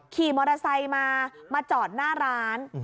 ขี่มอเตอร์ไซค์มามาจอดหน้าร้าน